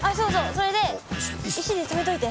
それで石で留めといて。